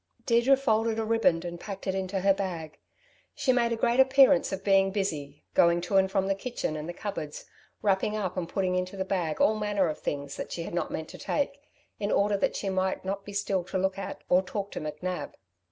Deirdre folded a ribband and packed it into her bag. She made a great appearance of being busy, going to and from the kitchen and the cupboards, wrapping up and putting into the bag all manner of things that she had not meant to take, in order that she might not be still to look at, or to talk to McNab.